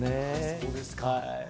そうですか。